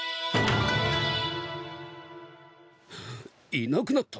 いなくなった！？